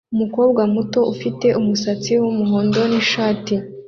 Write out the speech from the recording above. Umukobwa muto ufite umusatsi wumuhondo nishati